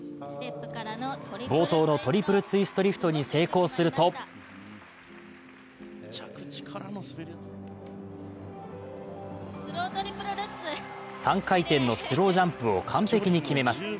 冒頭のトリプルツイストリフトに成功すると３回転のスロージャンプを完璧に決めます。